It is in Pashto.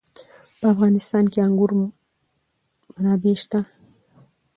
په افغانستان کې د انګور منابع شته.